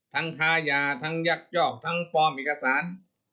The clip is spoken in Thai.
ค้ายาทั้งยักยอกทั้งปลอมเอกสาร